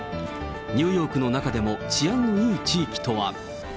ニューヨークの中でも治安のいい地域とは。